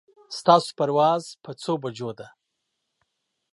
ستاسو پرواز په څو بجو ده